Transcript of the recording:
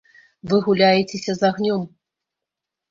Вы гуляецеся з агнём.